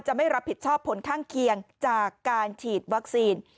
ไม่รับผิดชอบผลข้างเคียงจากการฉีดวัคซีน